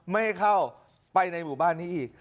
ไม่ให้เข้าไปในหมู่บ้านนี้อีก